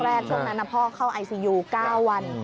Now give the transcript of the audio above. ช่วงนั้นพ่อเข้าไอซียู๙วัน